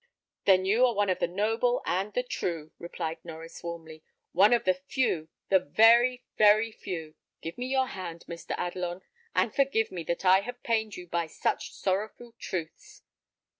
"Then you are one of the noble and the true," replied Norries, warmly; "one of the few, the very, very few. Give me your hand, Mr. Adelon; and forgive me that I have pained you by such sorrowful truths."